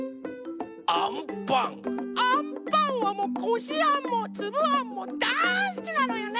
アンパンはもうこしあんもつぶあんもだいすきなのよね。